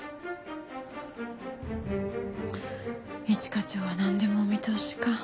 一課長はなんでもお見通しか。